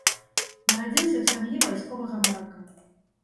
Нарадзіўся ў сям'і вайсковага марака.